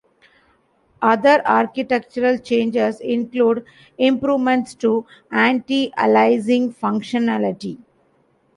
Other architectural changes include improvements to anti-aliasing functionality.